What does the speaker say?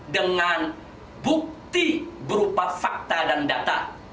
dengan bukti berupa fakta dan data